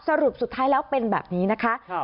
สรุปสุดท้ายแล้วเป็นแบบนี้นะคะ